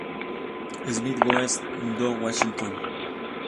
Smith Goes to Washington".